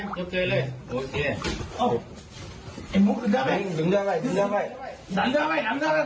มีหมูขึ้นแล้วด้วย